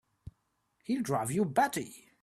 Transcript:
He'll drive you batty!